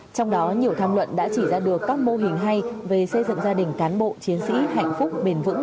trong đó nhiều tham luận đã chỉ ra được các mô hình hay về xây dựng gia đình cán bộ chiến sĩ hạnh phúc bền vững